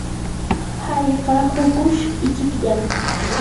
hallqa hukush ichikllam.